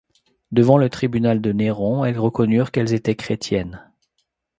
Devant le tribunal de Néron elles reconnurent qu’elles étaient chrétiennes.